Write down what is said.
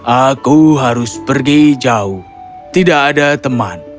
aku harus pergi jauh tidak ada teman